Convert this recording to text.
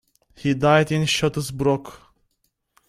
He died in Shottesbrooke.